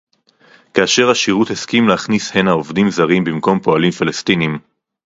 כאשר השירות הסכים להכניס הנה עובדים זרים במקום פועלים פלסטינים